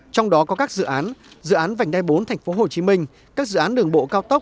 trong đó có các dự án dự án vành đai bốn tp hcm các dự án đường bộ cao tốc